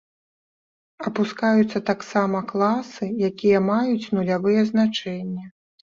Апускаюцца таксама класы, якія маюць нулявыя значэнні.